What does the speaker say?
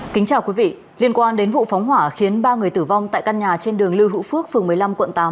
kính chào quý vị liên quan đến vụ phóng hỏa khiến ba người tử vong tại căn nhà trên đường lưu hữu phước phường một mươi năm quận tám